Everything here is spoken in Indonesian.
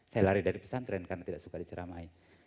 saya lari dari pesantren karena tidak suka diceramai